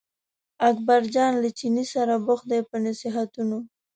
اکبرجان له چیني سره بوخت دی په نصیحتونو.